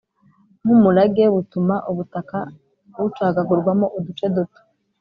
Nk’umurage butuma ubutaka bucagagurwamo uduce duto